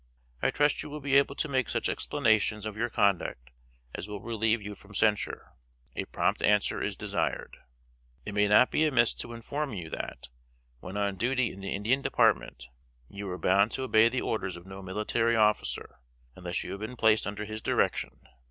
I trust you will be able to make such explanations of your conduct as will relieve you from censure a prompt answer is desired. "It may not be amiss to inform you that, when on duty in the Indian Department, you are bound to obey the orders of no military officer, unless you have been placed under his direction.